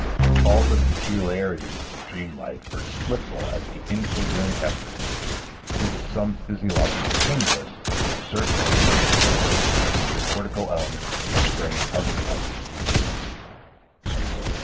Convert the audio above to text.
All the peculiarities of dream life are explicable as the incoherent effort, due to some physiological stimulus, of certain organs, or of the cortical elements of a brain otherwise asleep.